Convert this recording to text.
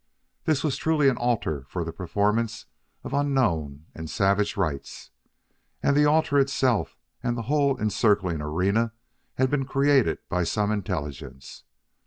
This was truly an altar for the performance of unknown and savage rites, and the altar itself and the whole encircling arena had been created by some intelligence.